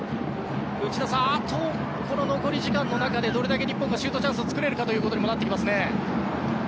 内田さん、残り時間の中でどれだけ日本がシュートチャンスを作れるかということになってきますね。